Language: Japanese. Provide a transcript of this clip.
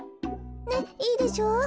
ねっいいでしょう？